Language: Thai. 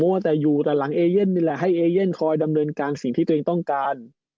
ว่าแต่อยู่แต่หลังเอเย่นนี่แหละให้เอเย่นคอยดำเนินการสิ่งที่ตัวเองต้องการ